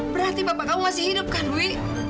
berarti bapak kamu masih hidup kan wih